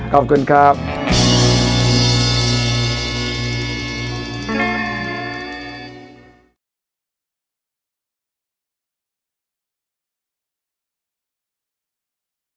ขอบคุณครับขอบคุณครับ